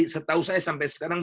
setahu saya sampai sekarang